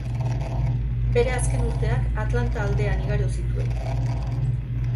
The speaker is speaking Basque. Bere azken urteak Atlanta aldean igaro zituen.